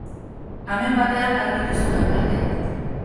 Amen batean garbitu zuen platera.